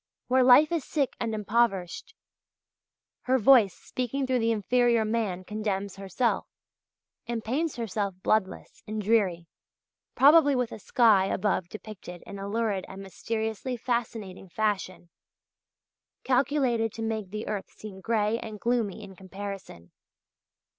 Where life is sick and impoverished, her voice speaking through the inferior man condemns herself, and paints herself bloodless and dreary, probably with a sky above depicted in a lurid and mysteriously fascinating fashion, calculated to make the earth seem gray and gloomy in comparison.